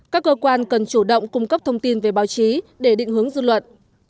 các cơ quan cần chủ động cung cấp thông tin về báo chí để định hướng dư luận